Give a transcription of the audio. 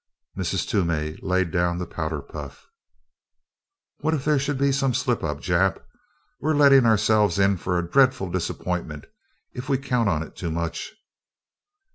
Mrs. Toomey laid down the powder puff. "What if there should be some slip up, Jap? We're letting ourselves in for a dreadful disappointment if we count on it too much."